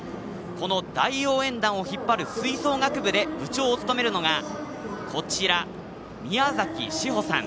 この大応援団を引っ張る吹奏楽部で部長を務めるのがみやざきしほさん。